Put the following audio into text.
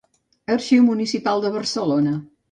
Arxiu Municipal de Barcelona.